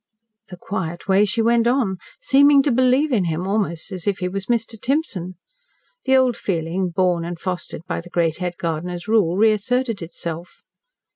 The quiet way she went on! Seeming to believe in him, almost as if he was Mr. Timson. The old feeling, born and fostered by the great head gardener's rule, reasserted itself.